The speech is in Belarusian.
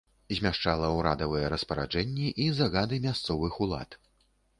Змяшчала ўрадавыя распараджэнні і загады мясцовых улад.